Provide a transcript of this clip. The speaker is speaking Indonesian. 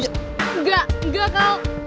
enggak enggak kal